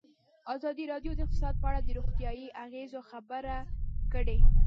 ازادي راډیو د اقتصاد په اړه د روغتیایي اغېزو خبره کړې.